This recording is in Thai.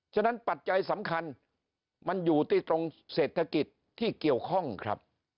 ฉะนั้นปัจจัยสำคัญมันอยู่ที่ตรงเศรษฐกิจที่เกี่ยวข้องครับ